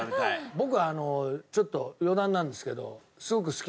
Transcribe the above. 僕あのちょっと余談なんですけど。